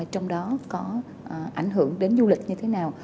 trong đó có ảnh hưởng đến du lịch như thế nào